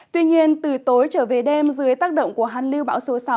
tuy nhiên từ tối trở về đêm dưới tác động của hàn lưu bão số sáu